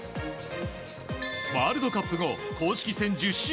ワールドカップ後公式戦１０試合